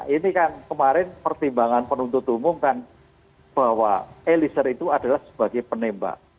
ini kan kemarin pertimbangan penuntut umum kan bahwa eliezer itu adalah sebagai penembak